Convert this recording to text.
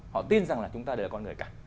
họ tin rằng là chúng ta đều con người cả